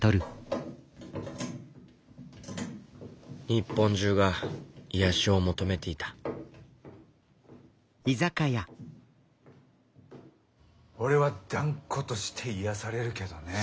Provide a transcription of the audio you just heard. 日本中が癒やしを求めていた俺は断固として癒やされるけどね。